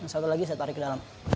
satu lagi saya tarik ke dalam